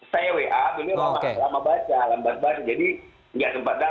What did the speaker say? saya wa beliau lama baca lambat lambat jadi tidak sempat datang